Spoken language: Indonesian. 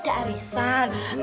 semua orang banget ya